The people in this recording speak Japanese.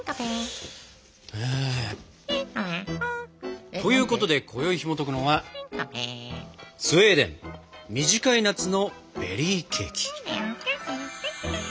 えということで今宵ひもとくのは「スウェーデン短い夏のベリーケーキ」。